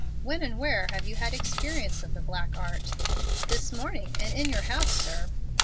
"When and where have you had experience of the black art?" "This morning, and in your house, sir."